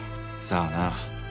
さあな。